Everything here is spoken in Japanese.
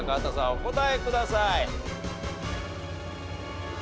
お答えください。